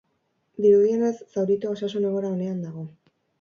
Dirudienez zauritua osasun egoera onean dago.